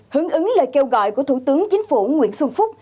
hướng ứng lời kêu gọi của thủ tướng chính phủ nguyễn xuân phúc